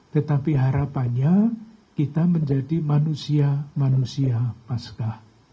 tetapi harapannya kita menjadi manusia manusia pasca